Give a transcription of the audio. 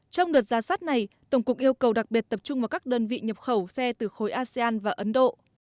trong đợt ra soát này tổng cục yêu cầu đặc biệt tập trung vào các đơn vị nhập khẩu xe từ khối asean và ấn độ